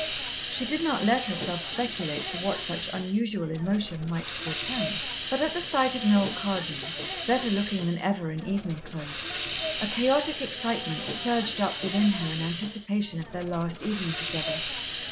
She did not let herself speculate to what such unusual emotion might portend. But at the sight of Noel Cardew, better looking than ever in evening clothes, a chaotic excitement surged up within her in anticipation of their last evening together.